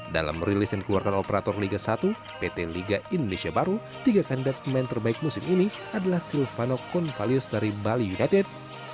dalam rilis yang dikeluarkan operator liga satu pt liga indonesia baru tiga kandidat pemain terbaik musim ini adalah silvano konvalius dari bali united